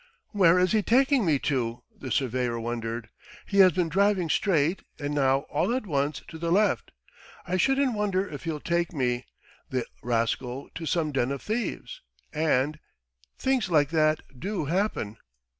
"Where is he taking me to?" the surveyor wondered. "He has been driving straight and now all at once to the left. I shouldn't wonder if he'll take me, the rascal, to some den of thieves ... and. ... Things like that do happen."